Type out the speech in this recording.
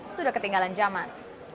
sudah ketinggalan zaman